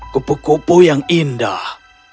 kupu kupu yang indah